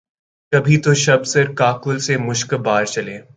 کبھی تو شب سر کاکل سے مشکبار چلے